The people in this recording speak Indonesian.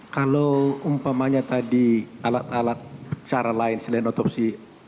kalau umpamanya kalau kita melakukan pemeriksaan maka kita harus otopsi